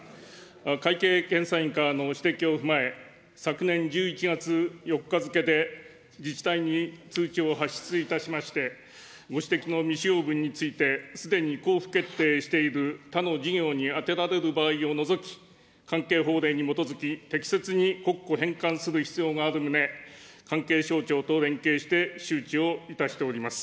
会計検査院からの指摘を踏まえ、昨年１１月４日付で自治体に通知を発出いたしまして、ご指摘の未使用分について、すでに交付決定している他の事業に充てられる場合を除き、関係法令に基づき、適切に国庫返還する必要がある旨、関係省庁と連携して周知をいたしております。